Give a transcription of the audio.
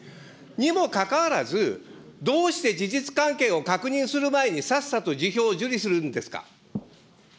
にもかかわらず、どうして事実関係を確認する前に、さっさと辞表を受理するんですか。